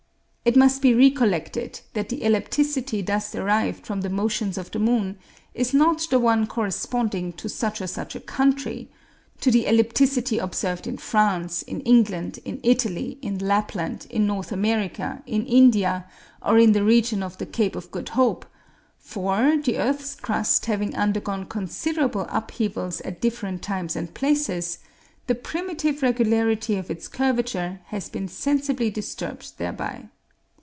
It must be recollected that the ellipticity thus derived from the motions of the moon is not the one corresponding to such or such a country, to the ellipticity observed in France, in England, in Italy, in Lapland, in North America, in India, or in the region of the Cape of Good Hope; for, the earth's crust having undergone considerable upheavals at different times and places, the primitive regularity of its curvature has been sensibly disturbed thereby.